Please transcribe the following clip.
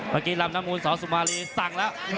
เมื่อกี้ลำน้ำมูลสอสุมารีสั่งแล้ว